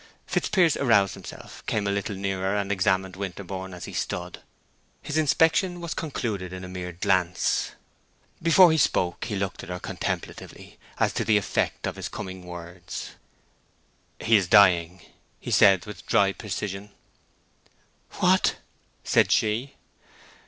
Fitzpiers aroused himself, came a little nearer, and examined Winterborne as he stood. His inspection was concluded in a mere glance. Before he spoke he looked at her contemplatively as to the effect of his coming words. "He is dying," he said, with dry precision. "What?" said she.